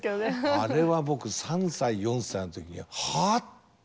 あれは僕３歳４歳の時にはっ⁉と。